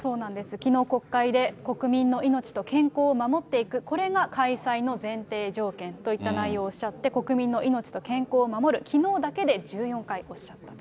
きのう、国会で国民の命と健康を守っていく、これが開催の前提条件といった内容をおっしゃって、国民の命と健康を守る、きのうだけで１４回おっしゃったと。